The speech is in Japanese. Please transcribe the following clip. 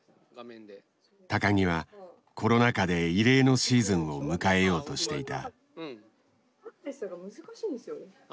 木はコロナ禍で異例のシーズンを迎えようとしていた。